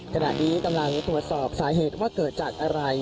ขณะนี้กำลังตรวจสอบสาเหตุว่าเกิดจากอะไร